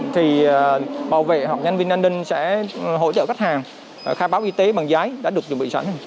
thì bảo vệ học nhân viên an ninh sẽ hỗ trợ khách hàng khai báo y tế bằng giấy đã được chuẩn bị sẵn